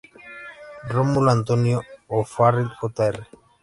Rómulo Antonio O'Farrill, Jr.